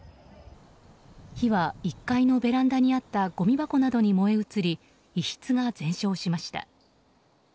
火は１階のベランダにあったごみ箱などに燃え移り、一室が全焼しました。